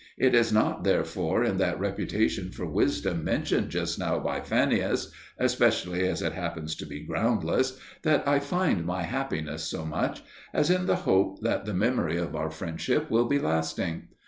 It is not therefore in that reputation for wisdom mentioned just now by Fannius especially as it happens to be groundless that I find my happiness so much, as in the hope that the memory of our friendship will be lasting.